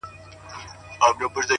عجب راگوري د خوني سترگو څه خون راباسـي،